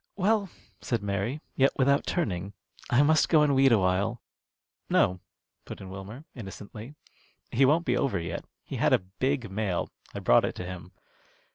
"Well," said Mary, yet without turning, "I must go and weed a while." "No," put in Wilmer, innocently; "he won't be over yet. He had a big mail. I brought it to him."